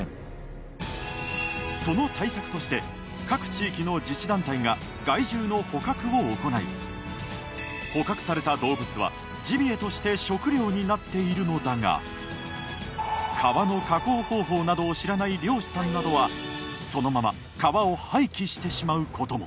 その対策として各地域の自治団体が害獣の捕獲を行い捕獲された動物はジビエとして食料になっているのだが皮の加工方法などを知らない猟師さんなどはそのまま皮を廃棄してしまう事も。